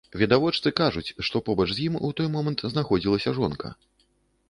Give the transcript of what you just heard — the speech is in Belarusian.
Відавочцы кажуць, што побач з ім у той момант знаходзілася жонка.